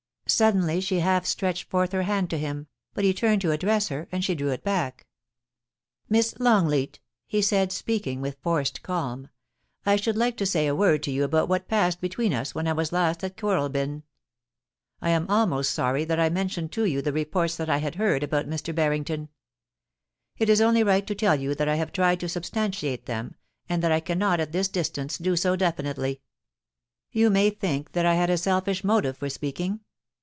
Suddenly she half stretched forth her hand to him, but he turned to address her, and she drew it back. 236 POLICY AND PASSION, * Miss Longleat/ he said, speaking with forced calm, * I should like to say a word to you about what passed between us when I was last at Kooralbyn. I am almost sorry that I mentioned to you the reports that I had heard about Mr. Barrington. It is only right to tell you that I have tried to substantiate them, and that I cannot at this distance do so definitely. You may think that I had a selfish motive for speaking.